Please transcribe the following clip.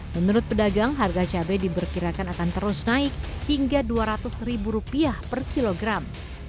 menurut pedagang harga cabai diberkirakan akan terus naik hingga rp dua ratus per kilogram